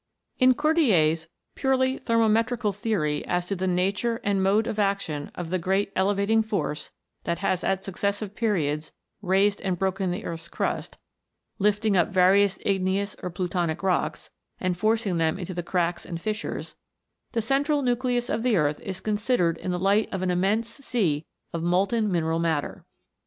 In Cordiers purely thermometrical theory as to the nature and mode of action of the great ele vating force that has at successive periods raised and broken the earth's crust, lifting up various igneous or plutonic rocks, and forcing them into the cracks and fissures, the central nucleus of the earth is considered in the light of an immense sea of molten mineral matter.